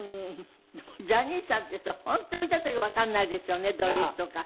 でもジャニーさんっていう人は本当見た時わかんないですよねどういう人か。